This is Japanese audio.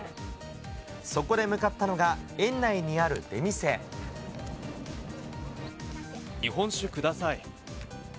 そこで向かったのが、日本酒、ください。